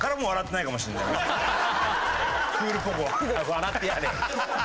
笑ってやれ！